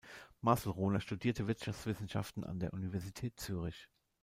Marcel Rohner studierte Wirtschaftswissenschaften an der Universität Zürich.